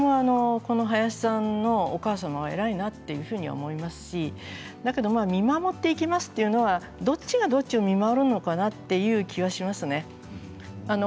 その点でとても林さんのお母さんは偉いなと思いますしだけど見守っていきますというのはどちらがどちらを見守るのかなというような気はしますね。